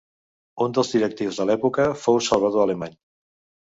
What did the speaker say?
Uns dels directius de l'època fou Salvador Alemany.